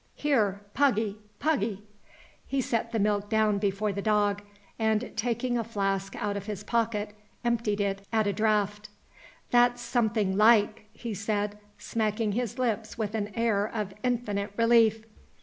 Here, Puggy, Puggy!" He set the milk down before the dog; and, taking a flask out of his pocket, emptied it at a draught. "That's something like!" he said, smacking his lips with an air of infinite relief.